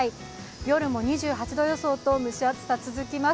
夜も２８度予想と、蒸し暑さ続きます。